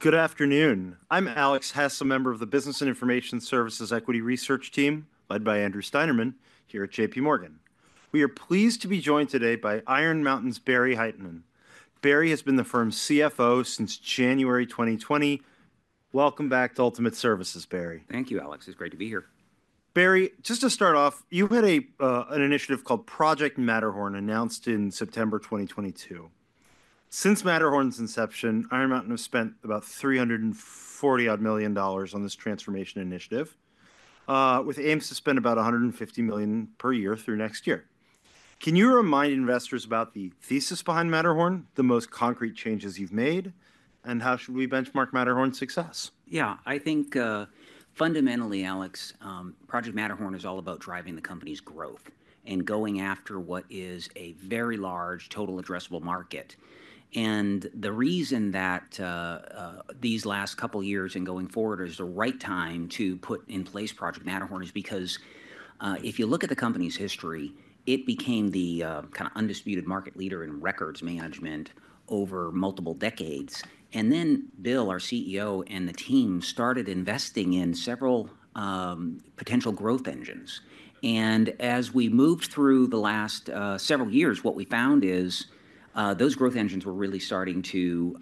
Good afternoon. I'm Alex Hess, a member of the business and information services equity research team led by Andrew Steinerman here at J.P. Morgan. We are pleased to be joined today by Iron Mountain's Barry Hytinen. Barry has been the firm's CFO since January 2020. Welcome back to Ultimate Services, Barry. Thank you, Alex. It's great to be here, Barry. Just to start off, you had an initiative called Project Matterhorn announced in September 2022. Since Matterhorn's inception, Iron Mountain has spent about $340 million on this transformation initiative with aims to spend about $150 million per year through next year. Can you remind investors about the thesis behind Matterhorn, the most concrete changes you've made, and how should we benchmark Matterhorn success? Yeah, I think fundamentally, Alex, Project Matterhorn is all about driving the company's growth and going after what is a very large total addressable market. The reason that these last couple years and going forward is the right time to put in place Project Matterhorn is because if you look at the company's history, it became the kind of undisputed market leader in records management over multiple decades. Then Bill, our CEO, and the team started investing in several potential growth engines. As we moved through the last several years, what we found is those growth engines were really starting to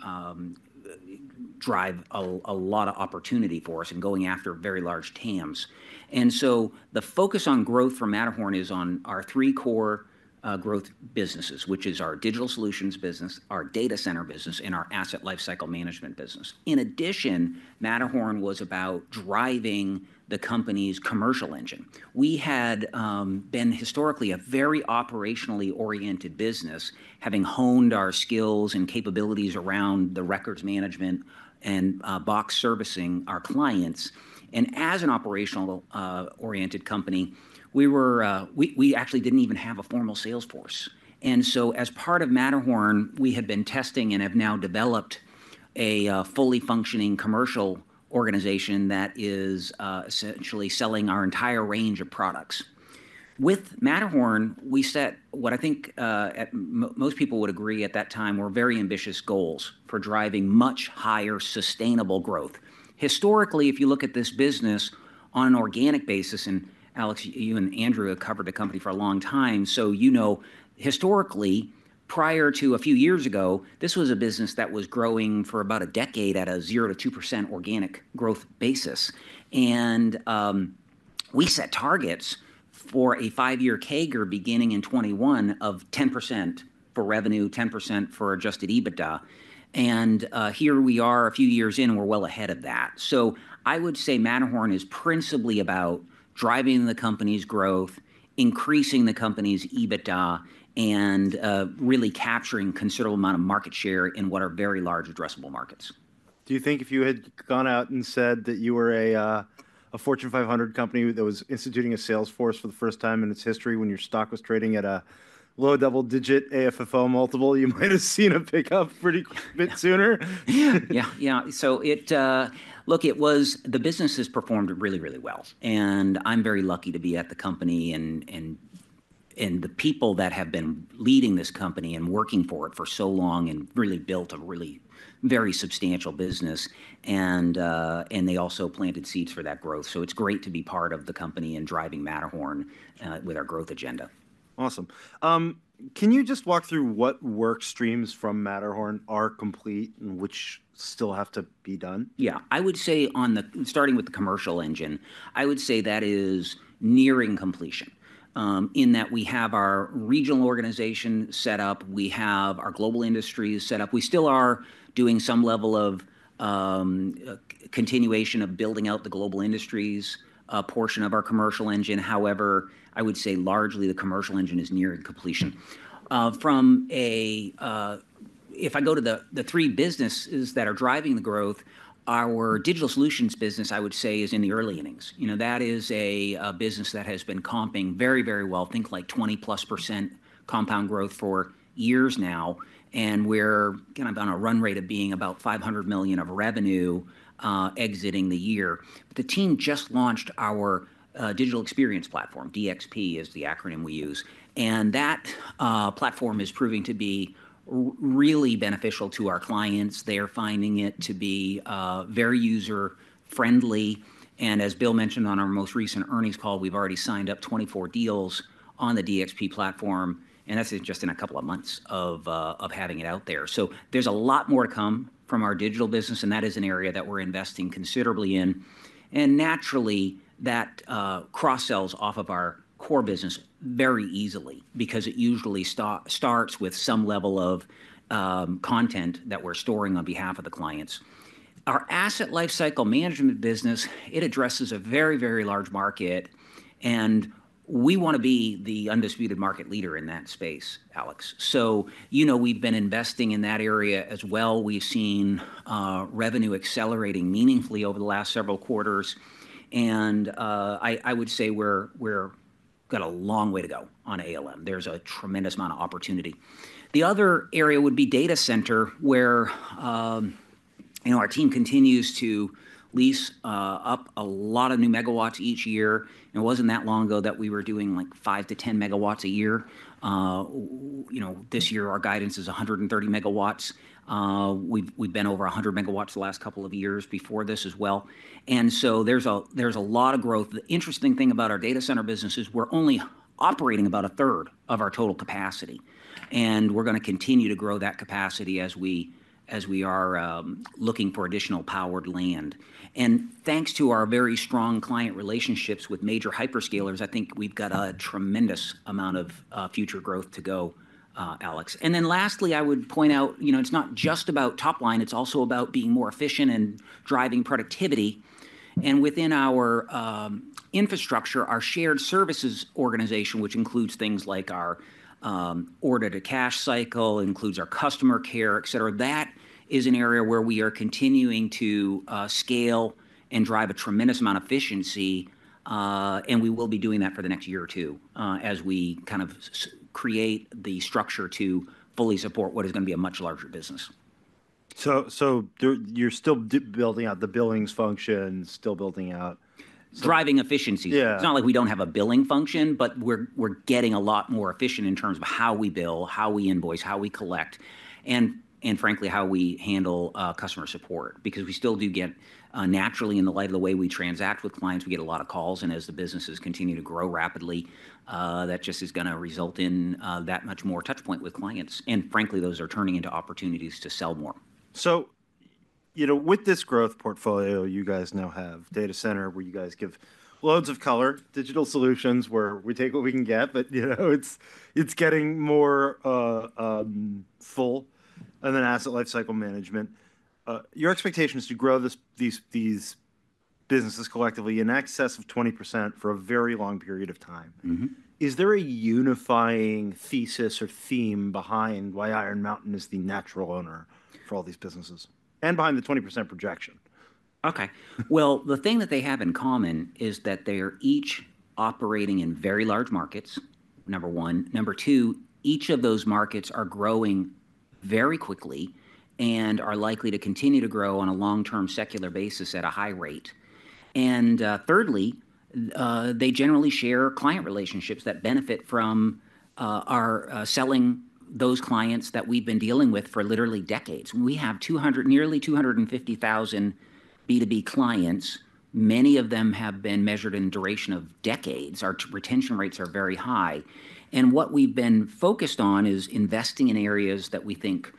drive a lot of opportunity for us and going after very large TAMs. And so the focus on growth for Matterhorn is on our three core growth businesses, which is our digital solutions business, our data center business, and our asset lifecycle management business. In addition, Matterhorn was about driving the company's commercial engine. We had been historically a very operationally oriented business, having honed our skills and capabilities around the records management and box servicing our clients. And as an operational oriented company, we were. We actually didn't even have a formal sales force. And so as part of Matterhorn, we had been testing and have now developed a fully functioning commercial organization that is essentially selling our entire range of products. With Matterhorn, we set what I think most people would agree at that time were very ambitious goals for driving much higher sustainable growth. Historically, if you look at this business on an organic basis, and Alex, you and Andrew have covered the company for a long time, so you know, historically, prior to a few years ago, this was a business that was growing for about a decade at a 0%-2% organic growth basis, and we set targets for a five-year CAGR beginning in 2021 of 10% for revenue, 10% for adjusted EBITDA. Here we are a few years in, we're well ahead of that, so I would say Matterhorn is principally about driving the company's growth, increasing the company's EBITDA and really capturing considerable amount of market share in what are very large addressable markets. Do you think if you had gone out and said that you were a Fortune 500 company that was instituting a sales force for the first time in its history, when your stock was trading at a low double-digit AFFO multiple, you might have seen a pickup pretty bit sooner? Yeah, yeah, look, it was. The business has performed really, really well, and I'm very lucky to be at the company and, and the people that have been leading this company and working for it for so long and really built a really very substantial business, and they also planted seeds for that growth. So it's great to be part of the company and driving Matterhorn with our growth agenda. Awesome. Can you just walk through what work streams from Matterhorn are complete and which still have to be done? Yeah. I would say, starting with the commercial engine, I would say that is nearing completion in that we have our regional organization set up, we have our global industries set up. We still are doing some level of continuation of building out the global industries portion of our commercial engine. However, I would say largely the commercial engine is nearing completion from a. If I go to the three businesses that are driving the growth, our digital solutions business, I would say, is in the early innings. That is a business that has been comping very, very well, like 20% + compound growth for years now. And we're kind of on a run rate of being about $500 million of revenue exiting the year. The team just launched our Digital Experience Platform. DXP is the acronym we use and that platform is proving to be really beneficial to our clients. They are finding it to be very user friendly, and as Bill mentioned on our most recent earnings call, we've already signed up 24 deals on the DXP platform and that's just in a couple of months of having it out there, so there's a lot more to come from our digital business and that is an area that we're investing considerably in, and naturally that cross sells off of our core business very easily because it usually starts with some level of content that we're storing on behalf of the clients. Our Asset Lifecycle Management business, it addresses a very, very large market and we want to be the undisputed market leader in that space. Alex, we've been investing in that area as well. We've seen revenue accelerating meaningfully over the last several quarters. I would say we've got a long way to go on ALM. There's a tremendous amount of opportunity. The other area would be data center where our team continues to lease up a lot of new MW each year. It wasn't that long ago that we were doing like five - 10 MW a year. This year our guidance is 130 MW. We've been over 100 MW the last couple of years before this as well. So there's a lot of growth. The interesting thing about our data center business is we're only operating about a third of our total capacity and we're going to continue to grow that capacity as we are looking for additional powered land. And thanks to our very strong client relationships with major hyperscalers, I think we've got a tremendous amount of future growth to go. Alex and then lastly, I would point out it's not just about top line, it's also about being more efficient and driving productivity. And within our infrastructure, our shared services organization, which includes things like our order to cash cycle, includes our customer care, et cetera, that is an area where we are continuing to scale and drive a tremendous amount of efficiency. And we will be doing that for the next year or two as we kind of create the structure to fully support what is going to be a much larger business. You're still building out the billings function, still building out, driving efficiencies. It's not like we don't have a billing function, but we're getting a lot more efficient in terms of how we bill, how we invoice, how we collect, and frankly how we handle customer support. Because we still do get, naturally, in light of the way we transact with clients, we get a lot of calls, and as the businesses continue to grow rapidly, that just is going to result in that much more touchpoint with clients, and frankly, those are turning into opportunities to sell more. So with this growth portfolio, you guys now have data center, where you guys give loads of color, digital solutions where we take what we can get, but it's getting more. Full. And then Asset Lifecycle Management, your expectation is to grow these businesses collectively in excess of 20% for a very long period of time. Is there a unifying thesis or theme behind why Iron Mountain is the natural owner for all these businesses and behind the 20% projection? Okay, well, the thing that they have in common is that they are each operating in very large markets, number one. Number two, each of those markets are growing very quickly and are likely to continue to grow on a long term secular basis at a high rate. And thirdly, they generally share client relationships that benefit from our selling. Those clients that we've been dealing with for literally decades. We have nearly 250,000 B2B clients. Many of them have been measured in duration of decades. Our retention rates are very high. And what we've been focused on is investing in areas that we think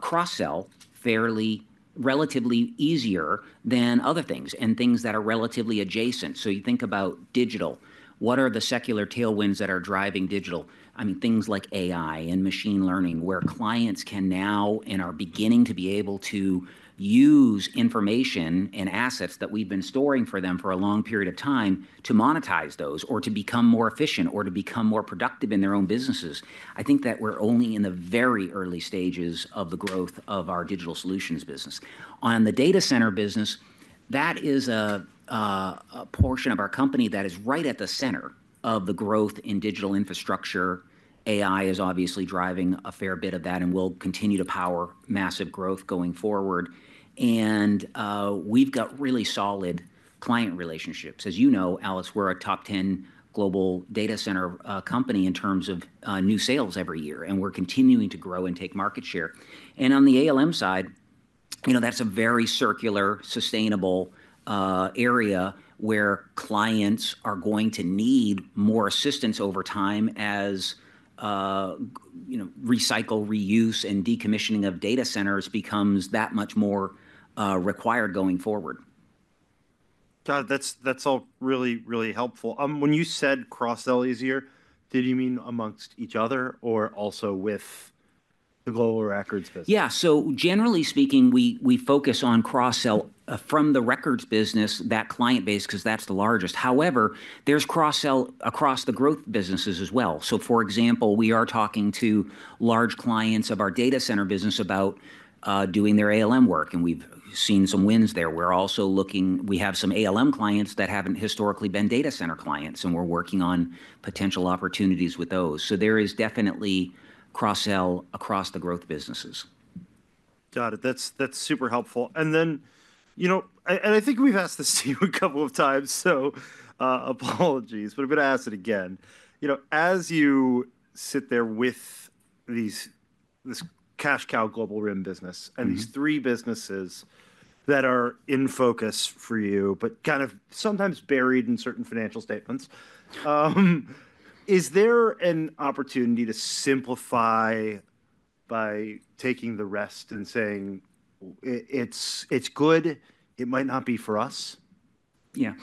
cross sell fairly relatively easier than other things and things that are relatively adjacent. So you think about digital, what are the secular tailwinds that are driving digital? I mean, things like AI and machine learning where clients can now and are beginning to be able to use information and assets that we've been storing for them for a long period of time to monetize those or to become more efficient or to become more productive in their own businesses. I think that we're only in the very early stages of the growth of our digital solutions business. On the data center business, that is a portion of our company that is right at the center of the growth in digital infrastructure. AI is obviously driving a fair bit of that and will continue to power massive growth going forward, and we've got really solid client relationships. As you know, Alex, we're a top 10 global data center company in terms of new sales every year and we're continuing to grow and take market share. And on the ALM side, you know, that's a very circular, sustainable area where clients are going to need more assistance over time as, you know, recycle, reuse and decommissioning of data centers becomes that much more required going forward. That's all really, really helpful. When you said cross sell easier, did you mean amongst each other or also with the global records business? Yeah. So generally speaking we focus on cross sell from the records business, that client base, because that's the largest. However, there's cross sell across the growth businesses as well. So for example, we are talking to large clients of our data center business about doing their ALM work and we've seen some wins there. We're also looking, we have some ALM clients that haven't historically been data center clients and we're working on potential opportunities with those. So there is definitely cross sell across the growth businesses. Got it. That's, that's super helpful. And then, you know, and I think we've asked this to you a couple of times, so apologies, but I'm going to ask it again. You know, as you sit there with these, this cash cow global RIM business and these three businesses that are in focus for you, but kind of sometimes buried in certain financial statements. Is there an opportunity to simplify by taking the rest and saying it's, it's good, it might not be for us? Yeah,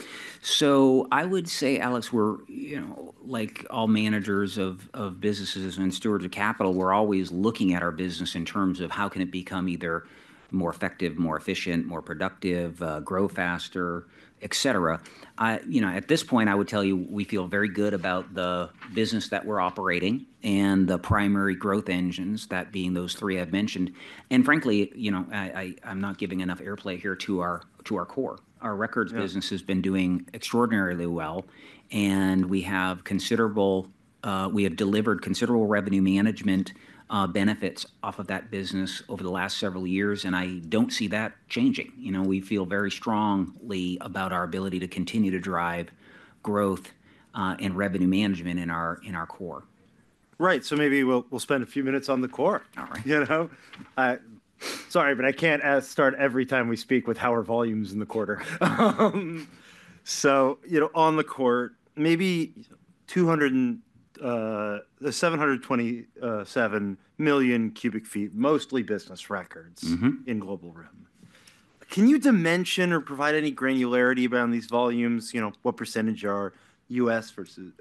so I would say, Alex, we're, you know, like all managers of businesses and stewards of capital, we're always looking at our business in terms of how can it become either more effective, more efficient, more productive, grow faster, et cetera. At this point, I would tell you we feel very good about the business that we're operating and the primary growth engines. That being those three I've mentioned, and frankly, I'm not giving enough airplay here to our core. Our records business has been doing extraordinarily well and we have delivered considerable revenue management benefits off of that business over the last several years, and I don't see that changing. You know, we feel very strongly about our ability to continue to drive growth and revenue management in our core. Right. So maybe we'll spend a few minutes on the core. All right. You know, sorry, but I can't start every time we speak with how are volumes in the quarter? So on the quarter, maybe 727 million cu ft, mostly business records in Global RIM. Can you dimension or provide any granularity around these volumes? What percentage are U.S. versus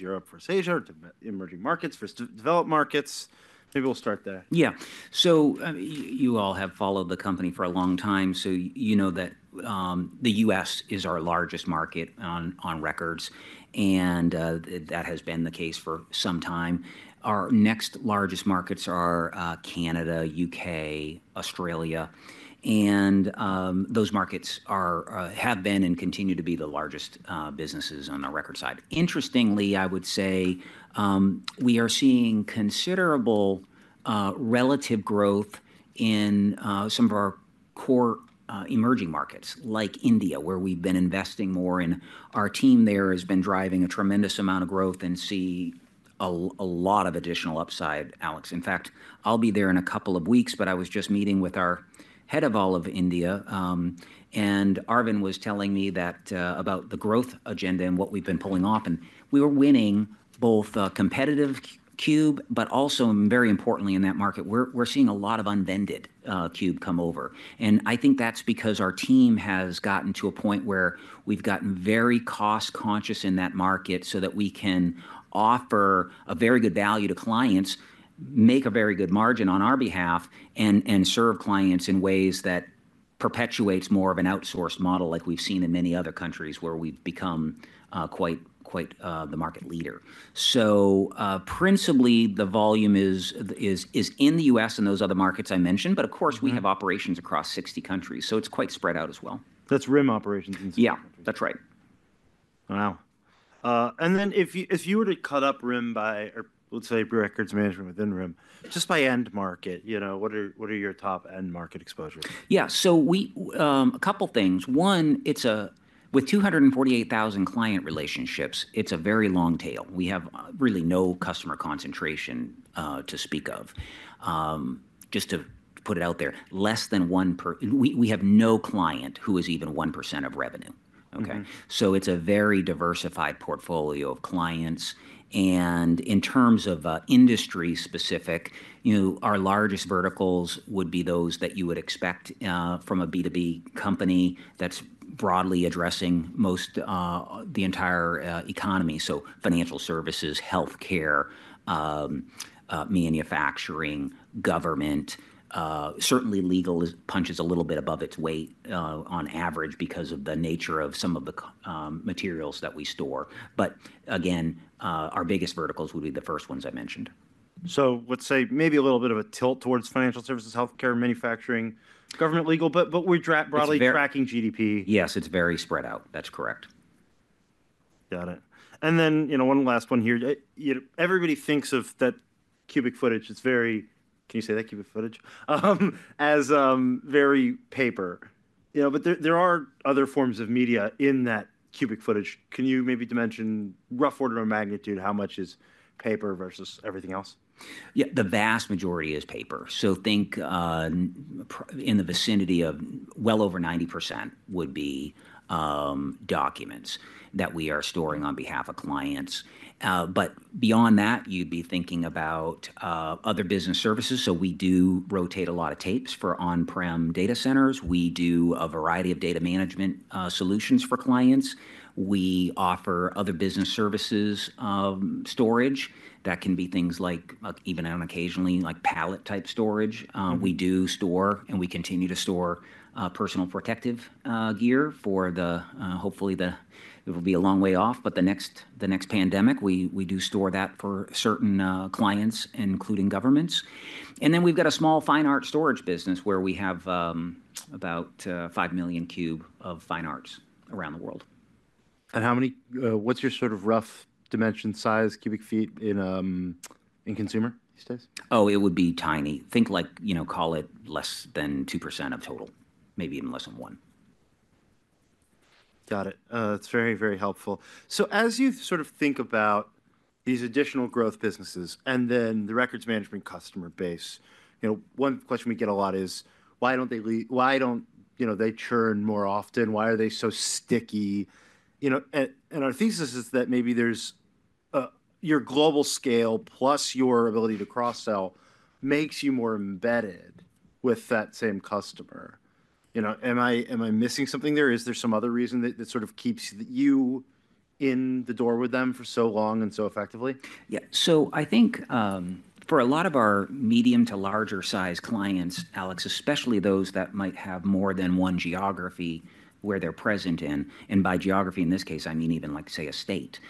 Europe versus Asia, emerging markets versus developed markets? Maybe we'll start there. Yeah, you all have followed the company for a long time, so you know that the U.S. is our largest market on records and that has been the case for some time. Our next largest markets are Canada, U.K., Australia, and those markets have been and continue to be the largest businesses on the record side. Interestingly, I would say we are seeing considerable relative growth in some of our core emerging markets like India, where we've been investing more and our team there has been driving a tremendous amount of growth and see a lot of additional upside. Alex. In fact, I'll be there in a couple of weeks, but I was just meeting with our head of all of India and Arvind was telling me about the growth agenda and what we've been pulling off. We were winning both competitive cube, but also very importantly in that market. We're seeing a lot of unvended cube come over, and I think that's because our team has gotten to a point where we've gotten very cost-conscious in that market so that we can offer a very good value to clients, make a very good margin on our behalf, and serve clients in ways that perpetuates more of an outsourced model like we've seen in many other countries where we've become quite, quite the market leader, so principally the volume is in the U.S. and those other markets I mentioned, but of course we have operations across 60 countries, so it's quite spread out as well. That's RIM operations. Yeah, that's right. Wow. And then if you were to cut up RIM by or let's say records management within RIM just by end market, what are your top end market exposures? Yeah, so a couple things. One, with 248,000 client relationships, it's a very long tail. We have really no customer concentration to speak of. Just to put it out there, less than 1%. We have no client who is even 1% of revenue. Okay. So it's a very diversified portfolio of clients. And in terms of industry specific, you know, our largest verticals would be those that you would expect from a B2B company that's broadly addressing most of the entire economy. So financial services, health care, manufacturing, government, certainly legal punches a little bit above its weight on average because of the nature of some of the materials that we store. But again our biggest verticals would be the first ones I mentioned. So let's say maybe a little bit of a tilt towards financial services, healthcare, manufacturing, government, legal. But we're broadly tracking GDP. Yes, it's very spread out. That's correct. Got it. And then you know, one last one here. Everybody thinks of that cubic footage. It's very paper, you know, but there are other forms of media in that cubic footage. Can you maybe dimension, rough order of magnitude, how much is paper versus everything else? Yeah, the vast majority is paper. So think in the vicinity of well over 90% would be documents that we are storing on behalf of clients. But beyond that you'd be thinking about other business services. So we do rotate a lot of tapes for on-prem data centers. We do a variety of data management solutions for clients. We offer other business services storage that can be things like even occasionally like pallet-type storage. We do store and we continue to store personal protective gear. Hopefully, it will be a long way off, but the next pandemic. We do store that for certain clients including governments. And then we've got a small fine art storage business where we have about 5 million cube of fine arts around the world. How many? What's your sort of rough dimension size cubic feet in consumer? Oh, it would be tiny. Think like you know call it less than 2% of total, maybe even less than 1%. Got it. It's very, very helpful, so as you sort of think about these additional growth businesses and then the records management customer base, you know, one question we get a lot is why don't they, you know, churn more often? Why are they so sticky? You know, and our thesis is that maybe there's your global scale plus your ability to cross sell makes you more embedded with that same customer. You know, am I missing something there? Is there some other reason that sort of keeps you in the door with them for so long and so effectively? Yeah, so I think for a lot of our medium to larger sized clients, Alex, especially those that might have more than one geography where they're present in, and by geography in this case, I mean even like say a state,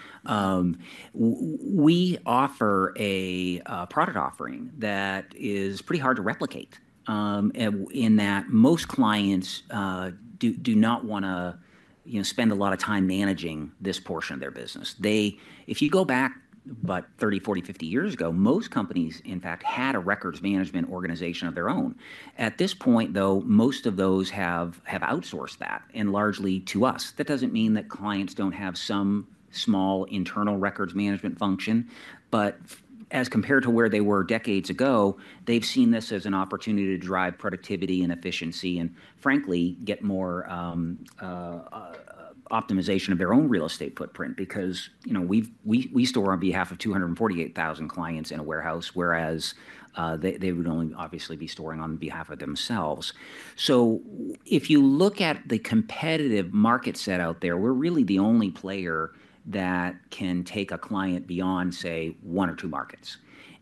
we offer a product offering that is pretty hard to replicate, in that most clients do not want to spend a lot of time managing this portion of their business. If you go back about 30, 40, 50 years ago, most companies in fact had a records management organization of their own. At this point, though, most of those have outsourced that, and largely to us. That doesn't mean that clients don't have some small internal records management function. But as compared to where they were decades ago, they've seen this as an opportunity to drive productivity and efficiency and frankly get more optimization of their own real estate footprint. Because, you know, we store on behalf of 248,000 clients in a warehouse, whereas they would only obviously be storing on behalf of themselves. So if you look at the competitive market set out there, we're really the only player that can take a client beyond say one or two markets.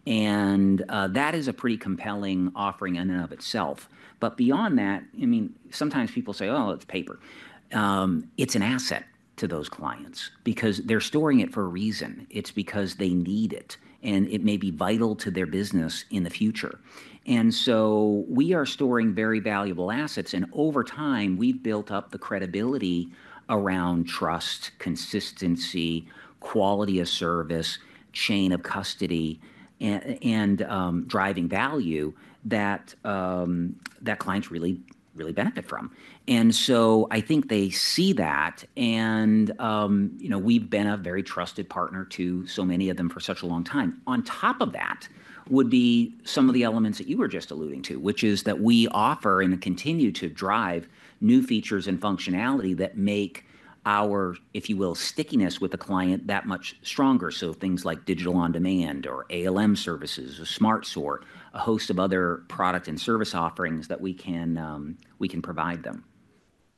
And that is a pretty compelling offering in and of itself. But beyond that, I mean, sometimes people say, oh, it's paper, it's an asset to those clients because they're storing it for a reason. It's because they need it and it may be vital to their business in the future. And so we are storing very valuable assets. And over time we've built up the credibility around trust, consistency, quality of service, chain of custody and driving value that clients really benefit from. And so I think they see that and we've been a very trusted partner to so many of them for such a long time. On top of that would be some of the elements that you were just alluding to, which is that we offer and continue to drive new features and functionality that make our, if you will, stickiness with the client that much stronger. So things like Digital on Demand or ALM services, Smart Sort, a host of other product and service offerings that we can provide them.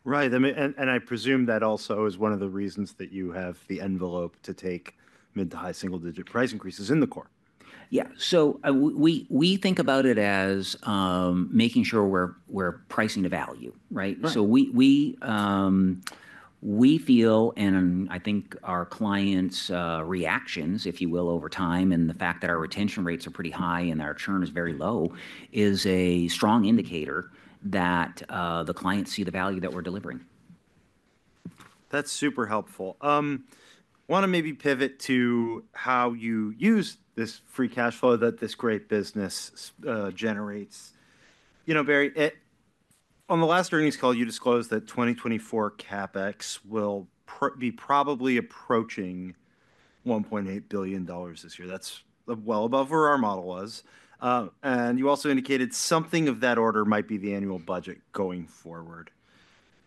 Right. I presume that also is one of the reasons that you have the envelope to take mid- to high-single-digit price increases in the core. Yeah, so we think about it as making sure we're pricing to value. Right. So we feel, and I think our clients' reactions, if you will, over time and the fact that our retention rates are pretty high and our churn is very low is a strong indicator that the clients see the value that we're delivering. That's super helpful. Want to maybe pivot to how you use this free cash flow that this great business generates? You know Barry, on the last earnings call you disclosed that 2024 CapEx will be probably approaching $1.8 billion this year. That's well above where our model was, and you also indicated something of that order might be the annual budget going forward.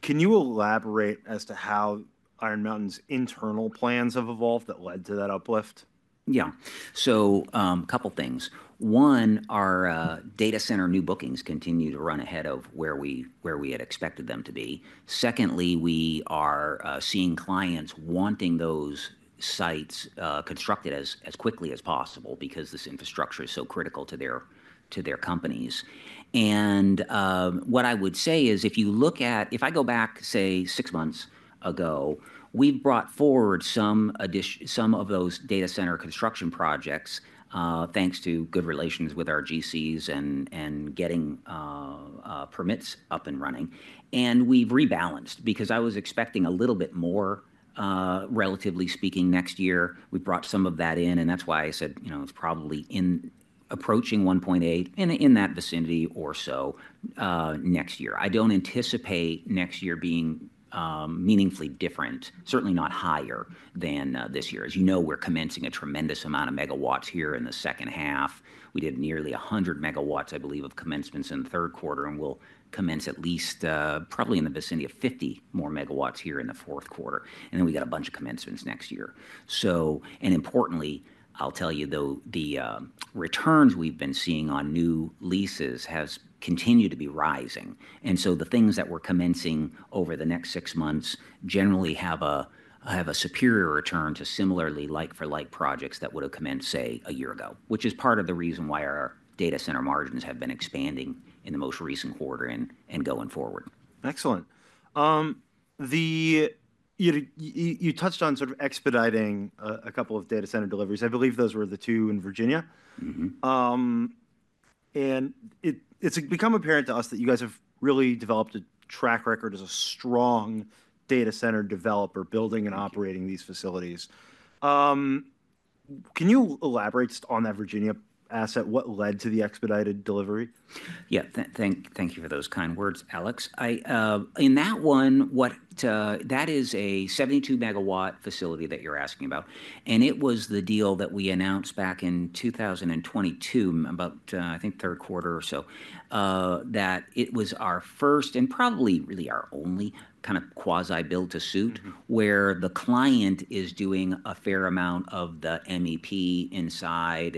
Can you elaborate as to how Iron Mountain's internal plans have evolved that led to that uplift? Yeah, so a couple of things. One, our data center new bookings continue to run ahead of where we had expected them to be. Secondly, we are seeing clients wanting those sites constructed as quickly as possible because this infrastructure is so critical to their companies. And what I would say is if you look at, if I go back say six months ago, we've brought forward some additional some of those data center construction projects thanks to good relations with our GCs and getting permits up and running. And we've rebalanced because I was expecting a little bit more, relatively speaking next year. We brought some of that in and that's why I said, you know, it's probably approaching $1.8 in that vicinity or so next year. I don't anticipate next year being meaningfully different, certainly not higher than this year. As you know, we're commencing a tremendous amount of MW here in the second half. We did nearly 100 MW, I believe, of commencements in the third quarter and we'll commence at least probably in the vicinity of 50 more MW here in the fourth quarter, and then we got a bunch of commencements next year. So and importantly, I'll tell you though, the returns we've been seeing on new leases has continued to be rising, and so the things that we're commencing over the next six months generally have a superior return to similarly like, for like projects that would have commenced say a year ago, which is part of the reason why our data center margins have been expanding in the most recent quarter and going forward. Excellent. Then you touched on sort of expediting a couple of data center deliveries. I believe those were the two in Virginia, and it's become apparent to us that you guys have really developed a track record as a strong data center developer building and operating these facilities. Can you elaborate on that Virginia asset? What led to the expedited delivery? Yeah, thank you for those kind words, Alex. In that one, what that is, a 72-MW facility that you're asking about. And it was the deal that we announced back in 2022, about, I think, third quarter or so, that it was our first and probably really our only kind of quasi build to suit where the client is doing a fair amount of the MEP inside.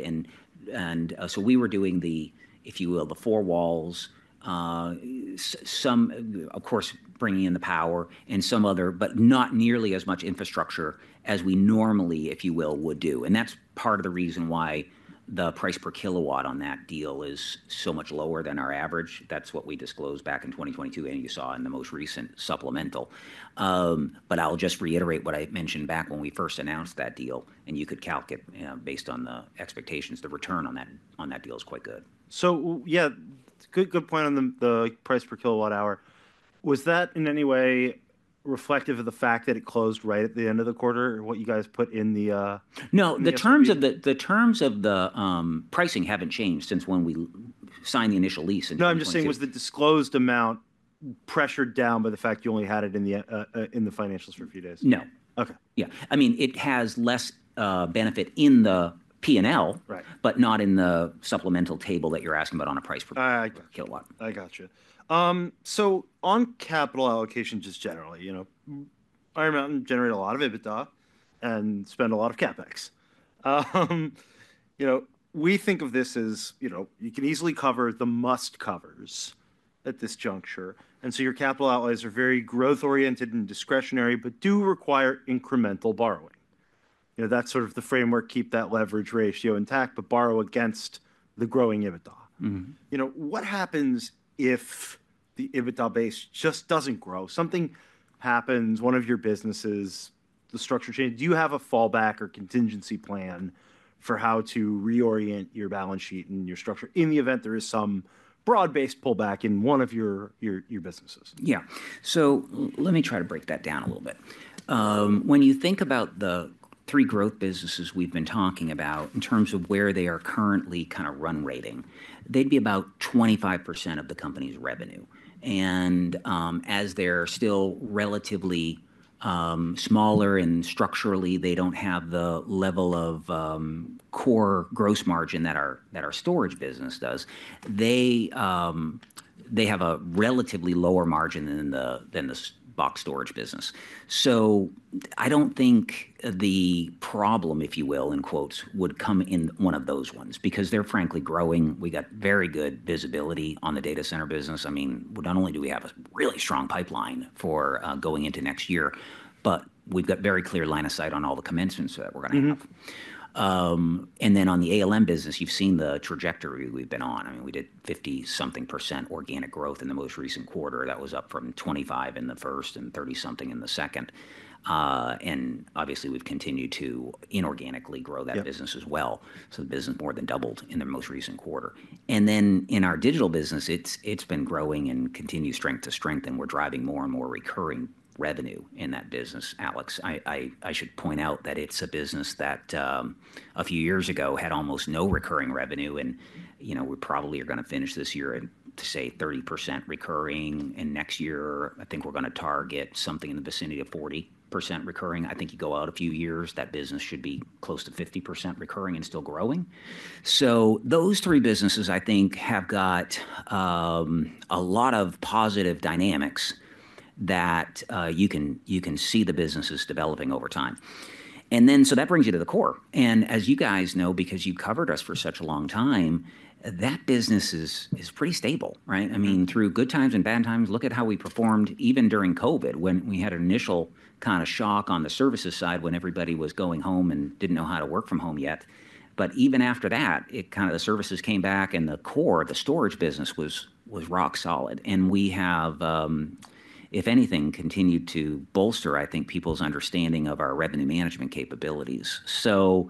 And so we were doing the, if you will, the four walls, some of course, bringing in the power and some other, but not nearly as much infrastructure as we normally, if you will, would do. And that's part of the reason why the price per kW on that deal is so much lower than our average. That's what we disclosed back in 2022 and you saw in the most recent supplemental. But I'll just reiterate what I mentioned back when we first announced that deal and you could calculate based on the expectations, the return on that, on that deal is quite good. Yeah, good, good point. On the price per kWh, was that in any way reflective of the fact that it closed right at the end of the quarter? What you guys put in the. No, the terms of the pricing haven't changed since when we signed the initial lease. No, I'm just saying, was the disclosed amount pressured down by the fact you only had it in the financials for a few days? No. Okay. Yeah. I mean it has less benefit in the P&L, but not in the supplemental table that you're asking about on a price per kW. I got you. So on capital allocation, just generally Iron Mountain generates a lot of EBITDA and spends a lot of CapEx. We think of this as you can easily cover the must-dos at this juncture. And so your capital allocations are very growth oriented and discretionary, but do require incremental borrowing. You know, that's sort of the framework. Keep that leverage ratio intact, but borrow against the growing EBITDA. You know what happens if the EBITDA base just doesn't grow? Something happens, one of your businesses, the structure changes, do you have a fallback or contingency plan for how to reorient your balance sheet and your structure in the event there is some broad-based pullback in one of your businesses. Yeah, so let me try to break that down a little bit. When you think about the three growth businesses we've been talking about in terms of where they are currently kind of run rate, they'd be about 25% of the company's revenue. And as they're still relatively smaller and structurally they don't have the level of core gross margin that our storage business does, they have a relatively lower margin than the box storage business. So I don't think the problem, if you will in quotes, would come in one of those ones because they're frankly growing. We got very good visibility on the data center business. I mean not only do we have a really strong pipeline for going into next year, but we've got very clear line of sight on all the commencements that we're going to have. On the ALM business you've seen the trajectory we've been on. I mean we did 50-something% organic growth in the most recent quarter. That was up from 25% in the first and 30-something% in the second. Obviously we've continued to inorganically grow that business as well. The business more than doubled in the most recent quarter. In our digital business it's been growing and continuing from strength to strength and we're driving more and more recurring growth revenue in that business. Alex, I should point out that it's a business that a few years ago had almost no recurring revenue. You know, we probably are going to finish this year and say 30% recurring. Next year I think we're going to target something in the vicinity of 40% recurring. I think you go out a few years, that business should be close to 50% recurring and still growing, so those three businesses I think have got a lot of positive dynamics that you can, you can see the businesses developing over time, and then so that brings you to the core and as you guys know, because you covered us for such a long time, that business is pretty stable, right? I mean through good times and bad times. Look at how we performed even during COVID when we had an initial kind of shock on the services side when everybody was going home and didn't know how to work from home yet, but even after that it kind of, the services came back and the core, the storage business was rock solid, and we have, if anything, continued to bolster. I think people's understanding of our revenue management capabilities. So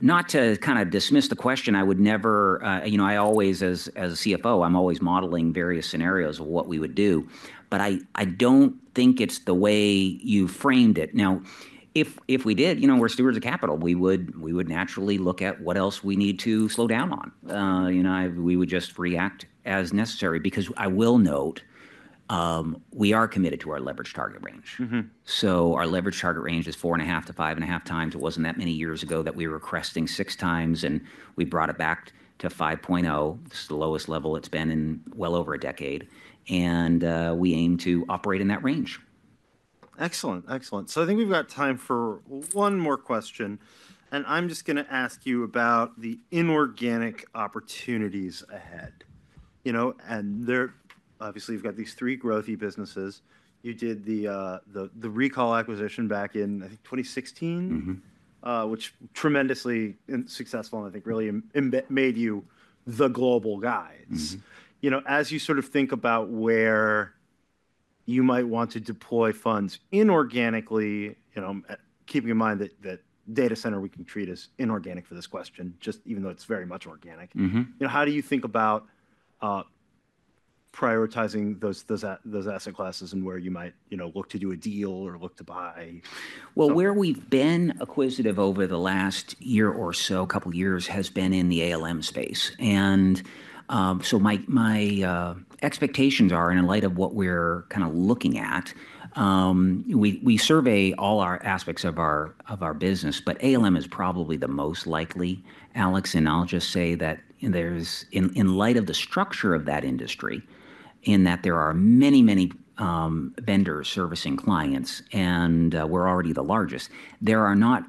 not to kind of dismiss the question, I would never, you know, I always, as a CFO, I'm always modeling various scenarios of what we would do, but I don't think it's the way you framed it. Now if we did, you know, we're stewards of capital, we would, we would naturally look at what else we need to slow down on. We would just react as necessary. Because I will note we are committed to our leverage target range. Our leverage target range is four and a half to five and a half times. It wasn't that many years ago that we were at six times and we brought it back to 5.0. It's the lowest level it's been in well over a decade and we aim to operate in that range. Excellent, excellent. So I think we've got time for one more question and I'm just going to ask you about the inorganic opportunities ahead. Obviously you've got these three growthy businesses. You did the Recall acquisition back in 2016, which tremendously successful and I think really made you the global leader as you think about where you might want to deploy funds inorganically. Keeping in mind that data center we can treat as inorganic for this question. Just even though it's very much organic, how do you think about prioritizing those asset classes and where you might look to do a deal or look to buy? Where we've been acquisitive over the last year or so couple of years has been in the ALM space. Expectations are in light of what we're kind of looking at. We survey all our aspects of our business, but ALM is probably the most likely. Alex. And I'll just say that there's in light of the structure of that industry in that there are many, many vendors servicing clients and we're already the largest. There are not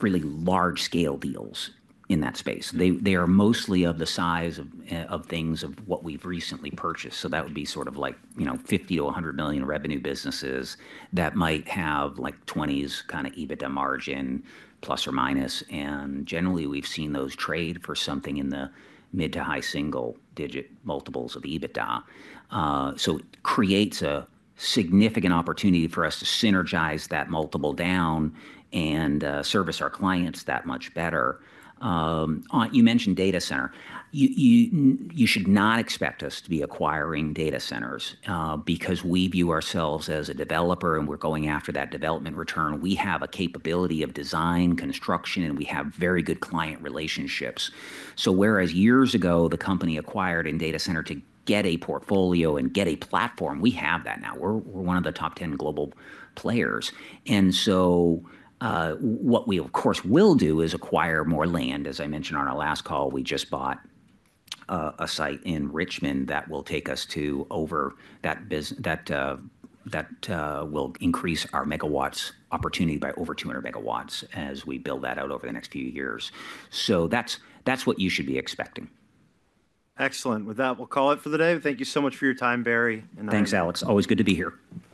really large scale deals in that space. They are mostly of the size of things of what we've recently purchased. So that would be sort of like you know, $50-$100 million revenue businesses that might have like 20s kind of EBITDA margin, plus or minus. And generally we've seen those trade for something in the mid to high single digit multiples of EBITDA. So it creates a significant opportunity for us to synergize that multiple down and service our clients that much better. You mentioned data center. You should not expect us to be acquiring data centers because we view ourselves as a developer and we're going after that development return. We have a capability of design construction and we have very good client relationships. So whereas years ago the company acquired a data center to get a portfolio and get a platform, we have that now. We're one of the top 10 global players. And so what we of course will do is acquire more land. As I mentioned on our last call, we just bought a site in Richmond that will take us to over that. That will increase our MW opportunity by over 200 MW as we build that out over the next few years. So that's, that's what you should be expecting. Excellent. With that, we'll call it for the day. Thank you so much for your time, Barry. Thanks, Alex. Always good to be here.